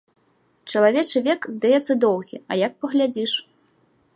Чалавечы век, здаецца, доўгі, а як паглядзіш!